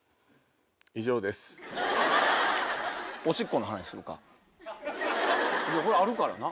おしっこの話するかこれあるからな。